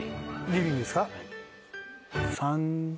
リビングですか？